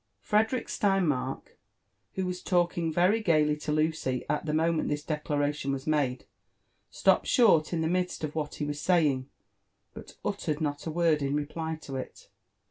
Frederick Steinmark, who was talktog Tory gaily to Lucy at the mon^ent this deolacation was made, stopped short Ui the mid^t of what he was saying, but uttered not a word iq reply to it.